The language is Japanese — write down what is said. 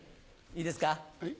いいですか？